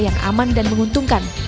yang aman dan menguntungkan